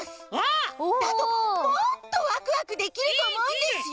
だともっとワクワクできるとおもうんですよ！